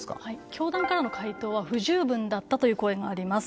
教団からの回答は不十分だったという声もあります。